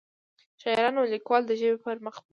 شاعران او ليکوال دَ ژبې پۀ پرمخ تګ